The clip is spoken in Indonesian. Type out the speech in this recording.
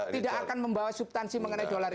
tidak akan membawa subtansi mengenai dolar